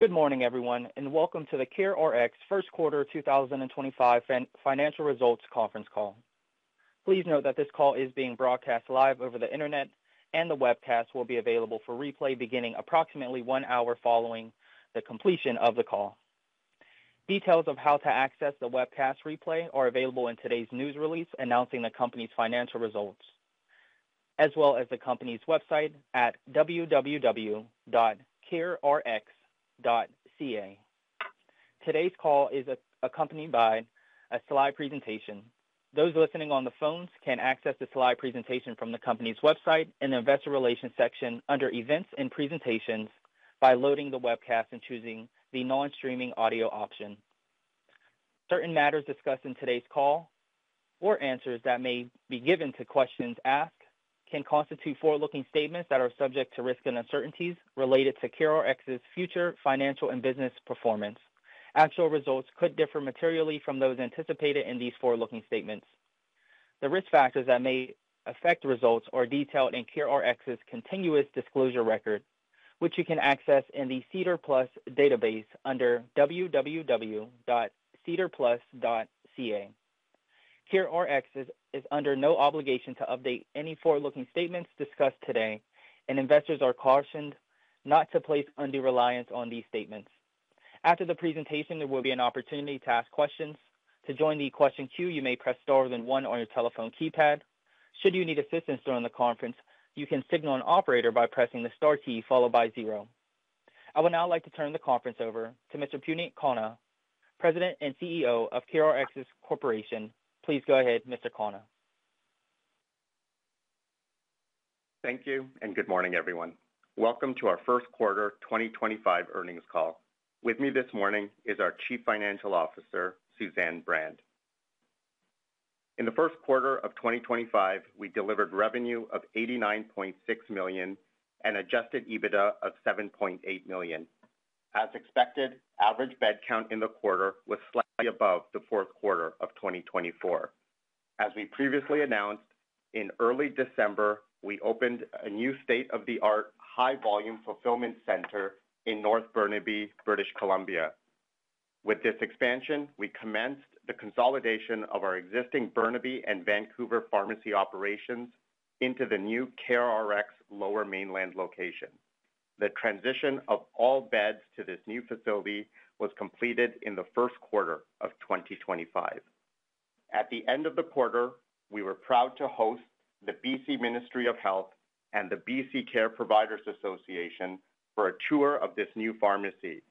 Good morning, everyone, and welcome to the CareRx First Quarter 2025 Financial Results Conference call. Please note that this call is being broadcast live over the internet, and the webcast will be available for replay beginning approximately one hour following the completion of the call. Details of how to access the webcast replay are available in today's news release announcing the company's financial results, as well as the company's website at www.carerx.ca. Today's call is accompanied by a slide presentation. Those listening on the phones can access the slide presentation from the company's website in the Investor Relations section under Events and Presentations by loading the webcast and choosing the non-streaming audio option. Certain matters discussed in today's call or answers that may be given to questions asked can constitute forward-looking statements that are subject to risk and uncertainties related to CareRx's future financial and business performance. Actual results could differ materially from those anticipated in these forward-looking statements. The risk factors that may affect results are detailed in CareRx's continuous disclosure record, which you can access in the SEDAR Plus database under www.sedarplus.ca. CareRx is under no obligation to update any forward-looking statements discussed today, and investors are cautioned not to place undue reliance on these statements. After the presentation, there will be an opportunity to ask questions. To join the question queue, you may press star then one on your telephone keypad. Should you need assistance during the conference, you can signal an operator by pressing the star key followed by zero. I would now like to turn the conference over to Mr. Puneet Khanna, President and CEO of CareRx Corporation. Please go ahead, Mr. Khanna. Thank you and good morning, everyone. Welcome to our First Quarter 2025 earnings call. With me this morning is our Chief Financial Officer, Suzanne Brand. In the first quarter of 2025, we delivered revenue of 89.6 million and adjusted EBITDA of 7.8 million. As expected, average bed count in the quarter was slightly above the fourth quarter of 2024. As we previously announced, in early December, we opened a new state-of-the-art high-volume fulfillment center in North Burnaby, British Columbia. With this expansion, we commenced the consolidation of our existing Burnaby and Vancouver pharmacy operations into the new CareRx Lower Mainland location. The transition of all beds to this new facility was completed in the first quarter of 2025. At the end of the quarter, we were proud to host the BC Ministry of Health and the BC Care Providers Association for a tour of this new pharmacy.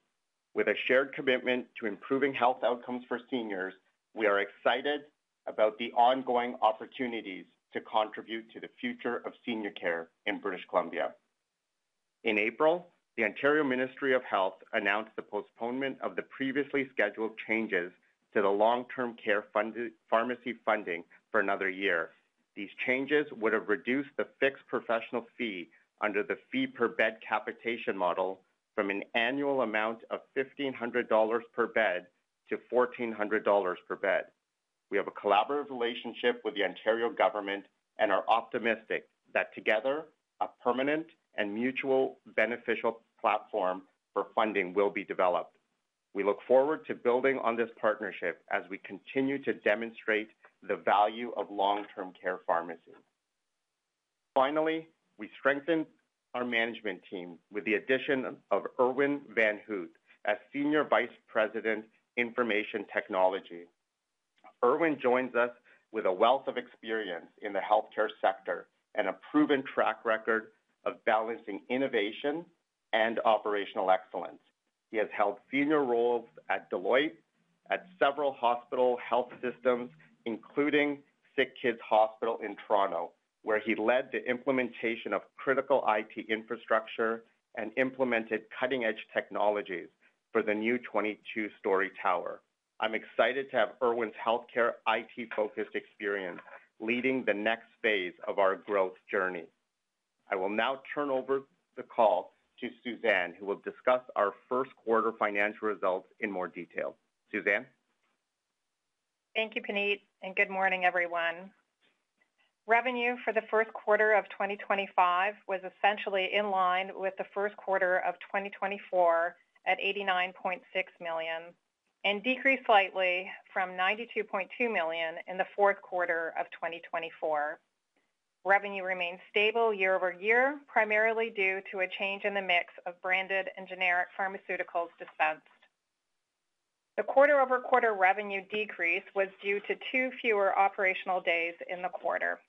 With a shared commitment to improving health outcomes for seniors, we are excited about the ongoing opportunities to contribute to the future of senior care in British Columbia. In April, the Ontario Ministry of Health announced the postponement of the previously scheduled changes to the long-term care pharmacy funding for another year. These changes would have reduced the fixed professional fee under the fee-per-bed capitation model from an annual amount of 1,500 dollars per bed to 1,400 dollars per bed. We have a collaborative relationship with the Ontario government and are optimistic that together, a permanent and mutually beneficial platform for funding will be developed. We look forward to building on this partnership as we continue to demonstrate the value of long-term care pharmacy. Finally, we strengthened our management team with the addition of Irwin Van Hoot as Senior Vice President Information Technology. Irwin joins us with a wealth of experience in the healthcare sector and a proven track record of balancing innovation and operational excellence. He has held senior roles at Deloitte, at several hospital health systems, including SickKids Hospital in Toronto, where he led the implementation of critical IT infrastructure and implemented cutting-edge technologies for the new 22-story tower. I'm excited to have Irwin's healthcare IT-focused experience leading the next phase of our growth journey. I will now turn over the call to Suzanne, who will discuss our first quarter financial results in more detail. Suzanne? Thank you, Puneet, and good morning, everyone. Revenue for the first quarter of 2025 was essentially in line with the first quarter of 2024 at 89.6 million and decreased slightly from 92.2 million in the fourth quarter of 2024. Revenue remained stable year over year, primarily due to a change in the mix of branded and generic pharmaceuticals dispensed. The quarter-over-quarter revenue decrease was due to two fewer operational days in the quarter.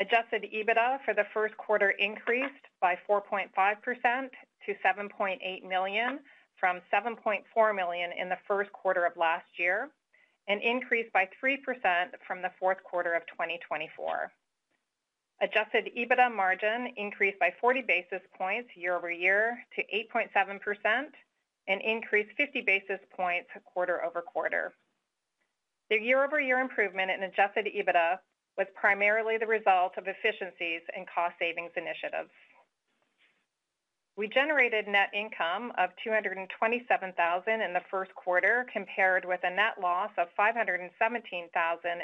Adjusted EBITDA for the first quarter increased by 4.5% to 7.8 million from 7.4 million in the first quarter of last year and increased by 3% from the fourth quarter of 2024. Adjusted EBITDA margin increased by 40 basis points year over year to 8.7% and increased 50 basis points quarter over quarter. The year-over-year improvement in adjusted EBITDA was primarily the result of efficiencies and cost savings initiatives. We generated net income of 227,000 in the first quarter compared with a net loss of 517,000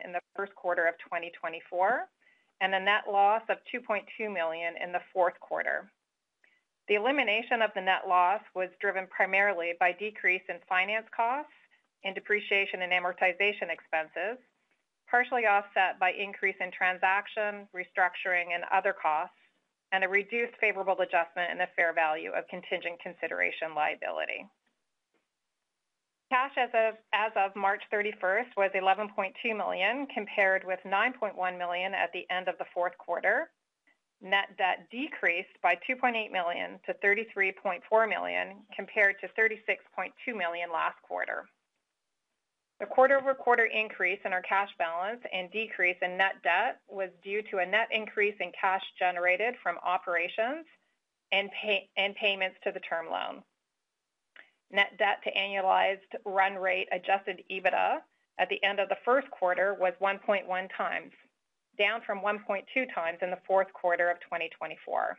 in the first quarter of 2024 and a net loss of 2.2 million in the fourth quarter. The elimination of the net loss was driven primarily by a decrease in finance costs and depreciation and amortization expenses, partially offset by an increase in transaction restructuring and other costs, and a reduced favorable adjustment in the fair value of contingent consideration liability. Cash as of March 31st was 11.2 million compared with 9.1 million at the end of the fourth quarter. Net debt decreased by 2.8 million to 33.4 million compared to 36.2 million last quarter. The quarter-over-quarter increase in our cash balance and decrease in net debt was due to a net increase in cash generated from operations and payments to the term loan. Net debt to annualized run rate adjusted EBITDA at the end of the first quarter was 1.1x, down from 1.2x in the fourth quarter of 2024.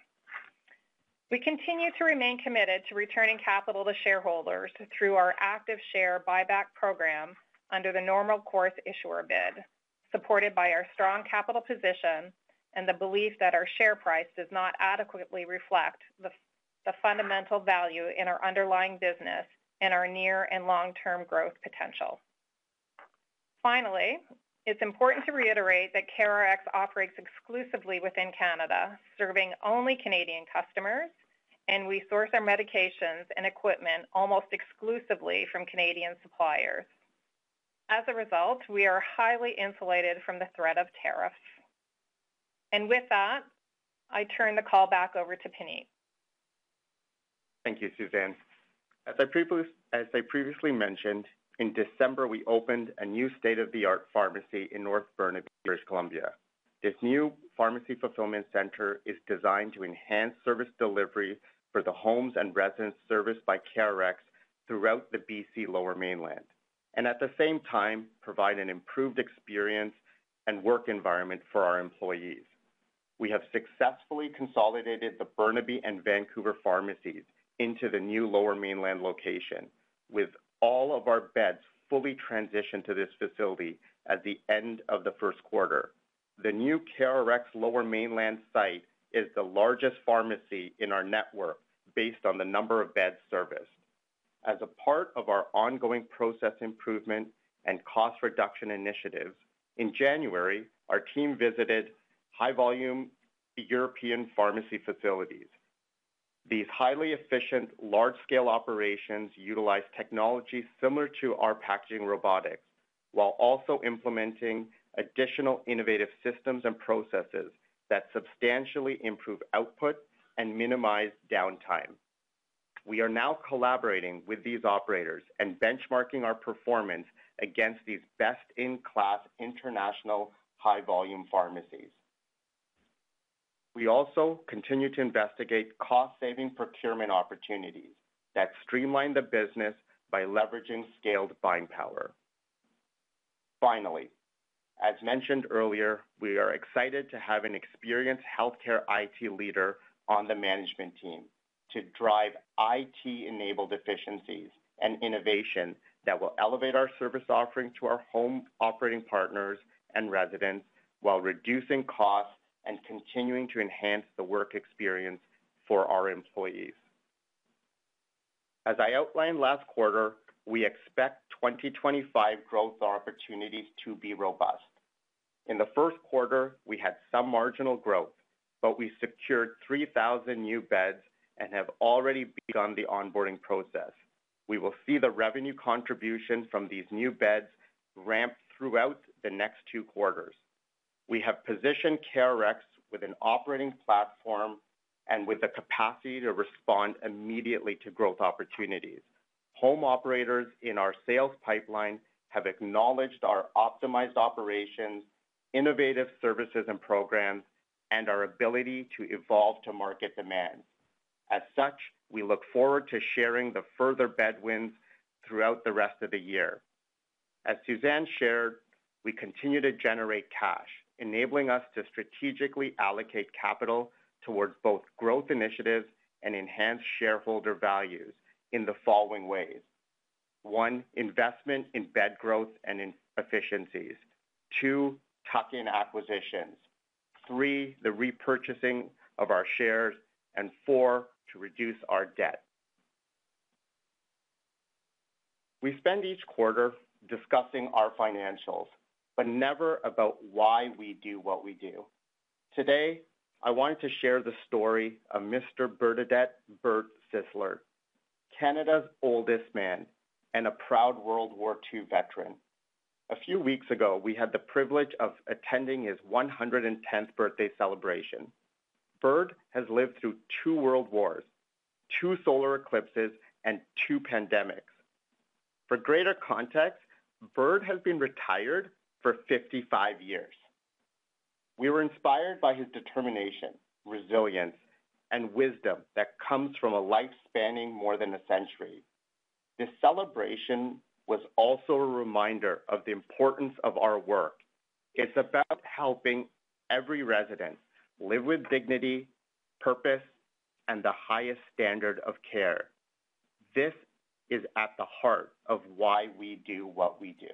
We continue to remain committed to returning capital to shareholders through our active share buyback program under the normal course issuer bid, supported by our strong capital position and the belief that our share price does not adequately reflect the fundamental value in our underlying business and our near and long-term growth potential. Finally, it is important to reiterate that CareRx operates exclusively within Canada, serving only Canadian customers, and we source our medications and equipment almost exclusively from Canadian suppliers. As a result, we are highly insulated from the threat of tariffs. With that, I turn the call back over to Puneet. Thank you, Suzanne. As I previously mentioned, in December, we opened a new state-of-the-art pharmacy in North Burnaby, British Columbia. This new pharmacy fulfillment center is designed to enhance service delivery for the homes and residents serviced by CareRx throughout the BC Lower Mainland and, at the same time, provide an improved experience and work environment for our employees. We have successfully consolidated the Burnaby and Vancouver pharmacies into the new Lower Mainland location, with all of our beds fully transitioned to this facility at the end of the first quarter. The new CareRx Lower Mainland site is the largest pharmacy in our network based on the number of beds serviced. As a part of our ongoing process improvement and cost reduction initiatives, in January, our team visited high-volume European pharmacy facilities. These highly efficient, large-scale operations utilize technology similar to our packaging robotics while also implementing additional innovative systems and processes that substantially improve output and minimize downtime. We are now collaborating with these operators and benchmarking our performance against these best-in-class international high-volume pharmacies. We also continue to investigate cost-saving procurement opportunities that streamline the business by leveraging scaled buying power. Finally, as mentioned earlier, we are excited to have an experienced healthcare IT leader on the management team to drive IT-enabled efficiencies and innovation that will elevate our service offering to our home operating partners and residents while reducing costs and continuing to enhance the work experience for our employees. As I outlined last quarter, we expect 2025 growth opportunities to be robust. In the first quarter, we had some marginal growth, but we secured 3,000 new beds and have already begun the onboarding process. We will see the revenue contribution from these new beds ramp throughout the next two quarters. We have positioned CareRx with an operating platform and with the capacity to respond immediately to growth opportunities. Home operators in our sales pipeline have acknowledged our optimized operations, innovative services and programs, and our ability to evolve to market demands. As such, we look forward to sharing the further bed wins throughout the rest of the year. As Suzanne shared, we continue to generate cash, enabling us to strategically allocate capital towards both growth initiatives and enhanced shareholder values in the following ways: one, investment in bed growth and efficiencies; two, tuck-in acquisitions; three, the repurchasing of our shares; and four, to reduce our debt. We spend each quarter discussing our financials, but never about why we do what we do. Today, I wanted to share the story of Mr. Bernadette Byrd Sisler, Canada's oldest man and a proud World War II veteran. A few weeks ago, we had the privilege of attending his 110th birthday celebration. Byrd has lived through two world wars, two solar eclipses, and two pandemics. For greater context, Byrd has been retired for 55 years. We were inspired by his determination, resilience, and wisdom that comes from a life spanning more than a century. This celebration was also a reminder of the importance of our work. It is about helping every resident live with dignity, purpose, and the highest standard of care. This is at the heart of why we do what we do.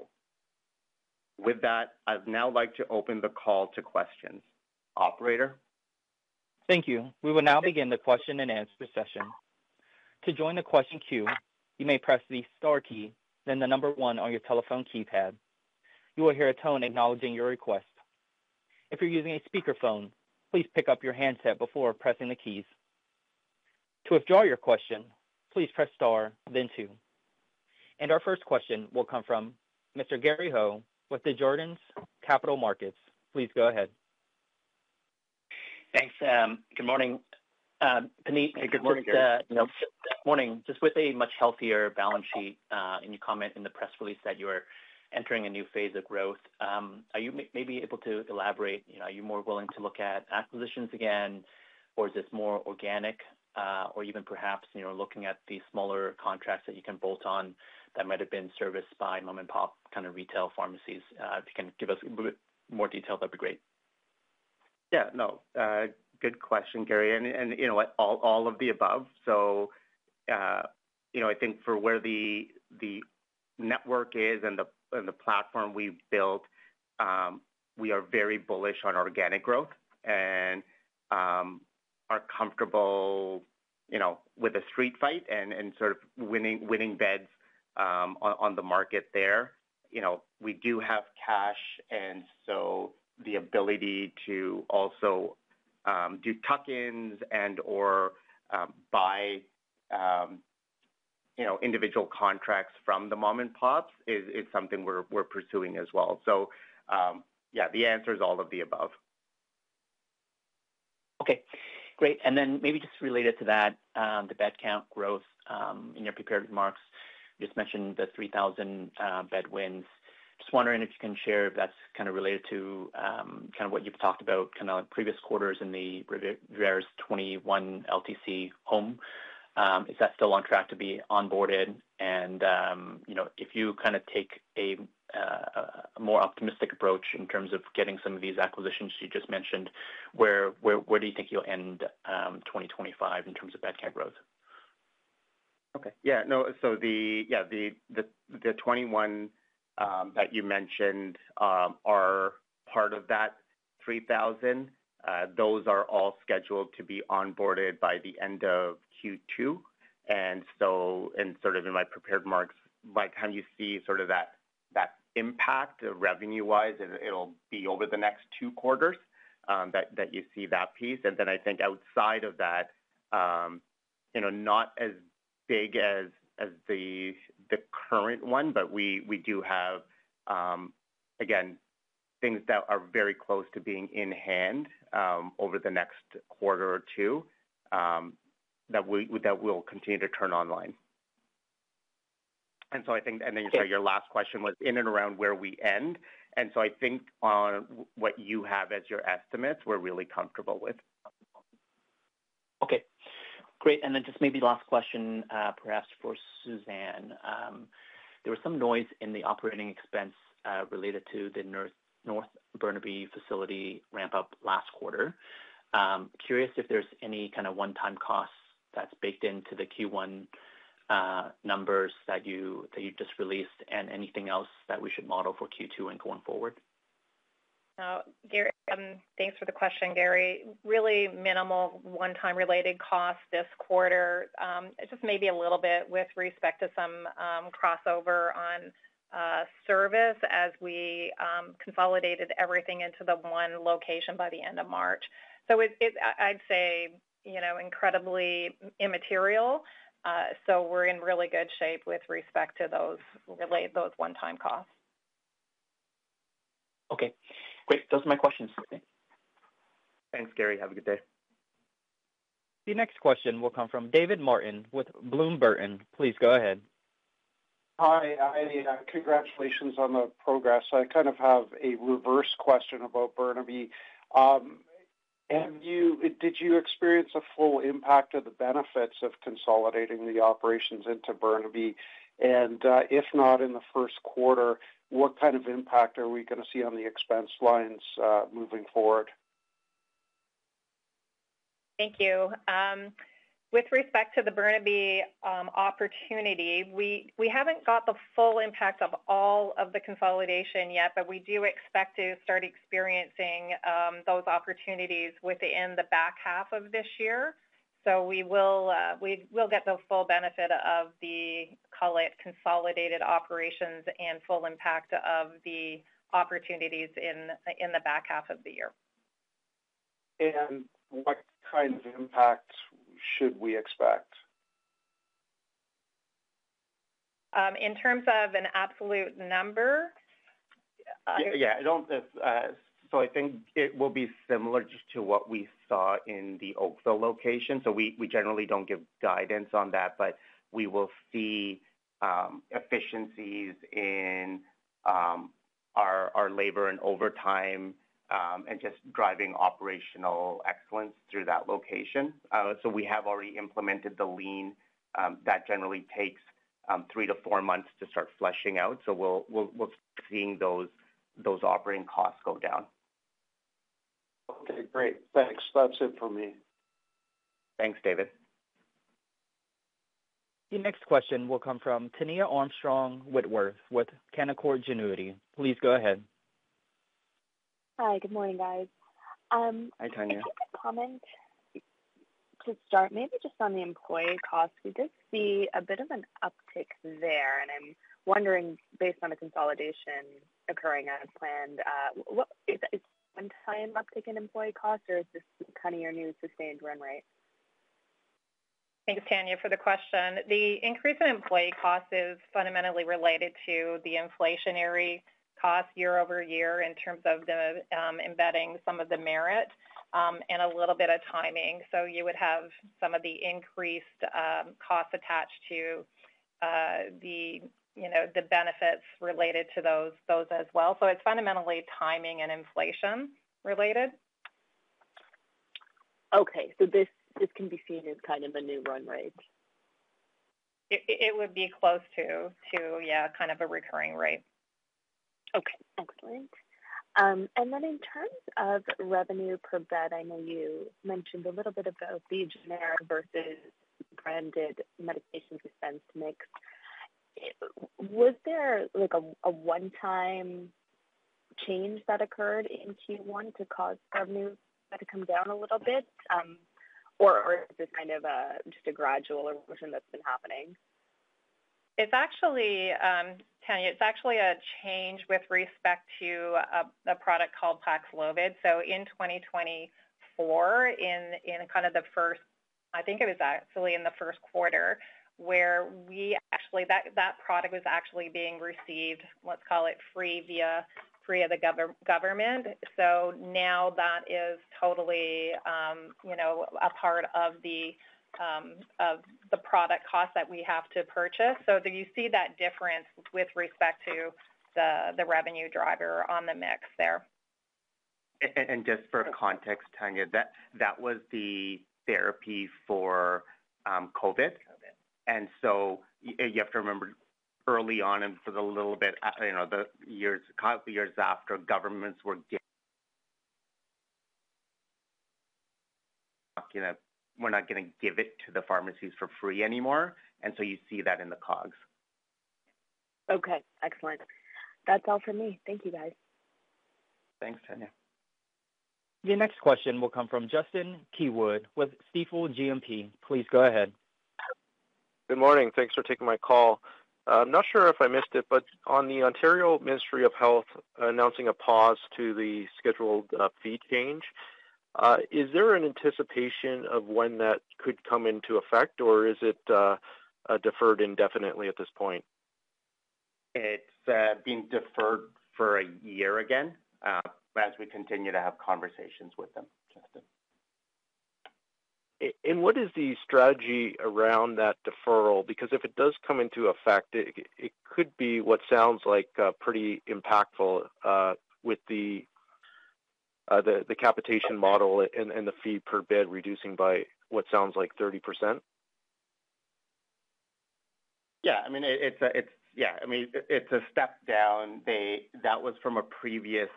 With that, I'd now like to open the call to questions. Operator? Thank you. We will now begin the question and answer session. To join the question queue, you may press the star key, then the number one on your telephone keypad. You will hear a tone acknowledging your request. If you're using a speakerphone, please pick up your handset before pressing the keys. To withdraw your question, please press star, then two. Our first question will come from Mr. Gary Ho with Desjardins Capital Markets. Please go ahead. Thanks. Good morning. Puneet, good morning. Just with a much healthier balance sheet and you comment in the press release that you are entering a new phase of growth, are you maybe able to elaborate? Are you more willing to look at acquisitions again, or is this more organic, or even perhaps looking at the smaller contracts that you can bolt on that might have been serviced by mom-and-pop kind of retail pharmacies? If you can give us a bit more detail, that'd be great. Yeah. No, good question, Gary. All of the above. I think for where the network is and the platform we have built, we are very bullish on organic growth and are comfortable with a street fight and sort of winning beds on the market there. We do have cash, and the ability to also do tuck-ins and/or buy individual contracts from the mom-and-pops is something we are pursuing as well. Yeah, the answer is all of the above. Okay. Great. Maybe just related to that, the bed count growth in your prepared remarks, you just mentioned the 3,000 bed wins. Just wondering if you can share if that's kind of related to what you've talked about in previous quarters in the Revera's 21 LTC home. Is that still on track to be onboarded? If you take a more optimistic approach in terms of getting some of these acquisitions you just mentioned, where do you think you'll end 2025 in terms of bed count growth? Okay. Yeah. No, so yeah, the 21 that you mentioned are part of that 3,000. Those are all scheduled to be onboarded by the end of Q2. In my prepared remarks, by the time you see sort of that impact revenue-wise, it will be over the next two quarters that you see that piece. I think outside of that, not as big as the current one, but we do have, again, things that are very close to being in hand over the next quarter or two that we will continue to turn online. I think, and then you said your last question was in and around where we end. I think on what you have as your estimates, we are really comfortable with. Okay. Great. Maybe last question perhaps for Suzanne. There was some noise in the operating expense related to the North Burnaby facility ramp-up last quarter. Curious if there's any kind of one-time costs that's baked into the Q1 numbers that you just released and anything else that we should model for Q2 and going forward. No, thanks for the question, Gary. Really minimal one-time related costs this quarter. It's just maybe a little bit with respect to some crossover on service as we consolidated everything into the one location by the end of March. I'd say incredibly immaterial. We're in really good shape with respect to those one-time costs. Okay. Great. Those are my questions. Thanks, Gary. Have a good day. The next question will come from David Martin with Bloom Burton. Please go ahead. Hi. Hi, Ian. Congratulations on the progress. I kind of have a reverse question about Burnaby. Did you experience a full impact of the benefits of consolidating the operations into Burnaby? If not in the first quarter, what kind of impact are we going to see on the expense lines moving forward? Thank you. With respect to the Burnaby opportunity, we haven't got the full impact of all of the consolidation yet, but we do expect to start experiencing those opportunities within the back half of this year. We will get the full benefit of the, call it, consolidated operations and full impact of the opportunities in the back half of the year. What kind of impact should we expect? In terms of an absolute number? Yeah. I think it will be similar just to what we saw in the Oakville location. We generally do not give guidance on that, but we will see efficiencies in our labor and overtime and just driving operational excellence through that location. We have already implemented the lean that generally takes three to four months to start flushing out. We will start seeing those operating costs go down. Okay. Great. Thanks. That's it for me. Thanks, David. The next question will come from Tania Armstrong Whitworth with Canaccord Genuity. Please go ahead. Hi. Good morning, guys. Hi, Tania. I just have a comment to start, maybe just on the employee costs. We did see a bit of an uptick there, and I'm wondering, based on the consolidation occurring as planned, is it a one-time uptick in employee costs, or is this kind of your new sustained run rate? Thanks, Tania, for the question. The increase in employee costs is fundamentally related to the inflationary costs year over year in terms of embedding some of the merit and a little bit of timing. You would have some of the increased costs attached to the benefits related to those as well. It is fundamentally timing and inflation related. Okay. So this can be seen as kind of a new run rate? It would be close to, yeah, kind of a recurring rate. Okay. Excellent. In terms of revenue per bed, I know you mentioned a little bit about the generic versus branded medication dispense mix. Was there a one-time change that occurred in Q1 to cause revenue to come down a little bit, or is this kind of just a gradual evolution that's been happening? Tania, it's actually a change with respect to a product called Paxlovid. In 2024, in kind of the first, I think it was actually in the first quarter where we actually, that product was actually being received, let's call it free via the government. Now that is totally a part of the product costs that we have to purchase. You see that difference with respect to the revenue driver on the mix there. Just for context, Tania, that was the therapy for COVID. You have to remember early on and for a little bit the years after, governments were giving it. We're not going to give it to the pharmacies for free anymore. You see that in the COGS. Okay. Excellent. That's all for me. Thank you, guys. Thanks, Tania. The next question will come from Justin Keywood with Stifel GMP. Please go ahead. Good morning. Thanks for taking my call. I'm not sure if I missed it, but on the Ontario Ministry of Health announcing a pause to the scheduled fee change, is there an anticipation of when that could come into effect, or is it deferred indefinitely at this point? It's being deferred for a year again as we continue to have conversations with them, Justin. What is the strategy around that deferral? Because if it does come into effect, it could be what sounds like pretty impactful with the capitation model and the fee per bed reducing by what sounds like 30%. Yeah. I mean, it's a step down. That was from the previous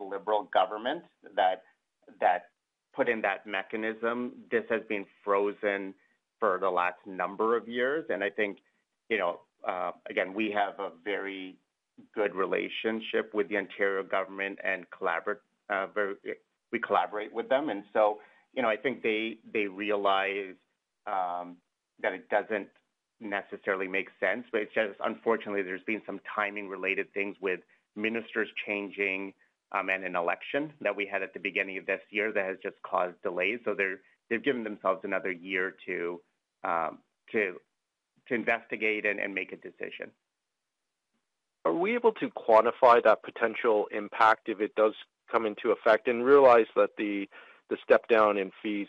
Liberal government that put in that mechanism. This has been frozen for the last number of years. I think, again, we have a very good relationship with the Ontario government, and we collaborate with them. I think they realize that it doesn't necessarily make sense, but it's just, unfortunately, there's been some timing-related things with ministers changing and an election that we had at the beginning of this year that has just caused delays. They've given themselves another year to investigate and make a decision. Are we able to quantify that potential impact if it does come into effect and realize that the step down in fees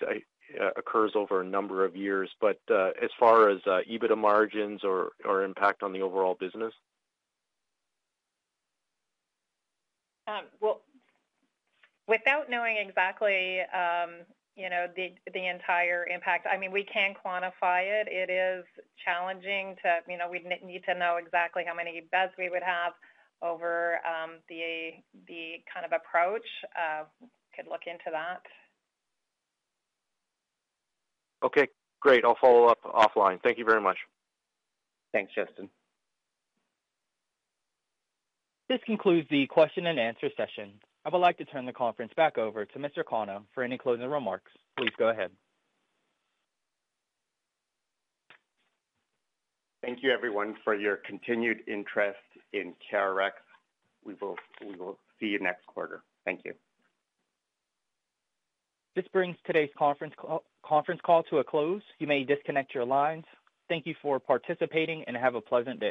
occurs over a number of years, but as far as EBITDA margins or impact on the overall business? Without knowing exactly the entire impact, I mean, we can quantify it. It is challenging to—we'd need to know exactly how many beds we would have over the kind of approach. We could look into that. Okay. Great. I'll follow up offline. Thank you very much. Thanks, Justin. This concludes the question and answer session. I would like to turn the conference back over to Mr. Khanna for any closing remarks. Please go ahead. Thank you, everyone, for your continued interest in CareRx. We will see you next quarter. Thank you. This brings today's conference call to a close. You may disconnect your lines. Thank you for participating and have a pleasant day.